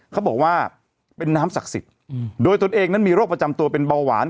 เขาบอกว่าเป็นน้ำศักดิ์สิทธิ์โดยตนเองนั้นมีโรคประจำตัวเป็นเบาหวาน